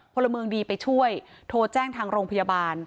พลเมืองดีไปช่วยโทรแจ้งทางโรงพยาบาล